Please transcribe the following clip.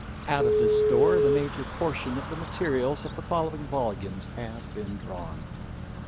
Out of this store the major portion of the materials of the following volumes has been drawn.